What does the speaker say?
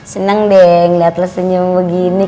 seneng deng liat lo senyum begini